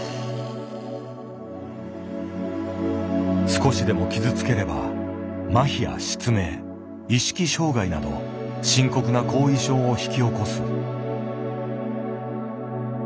少しでも傷つければ麻痺や失明意識障害など深刻な後遺症を引き起こす。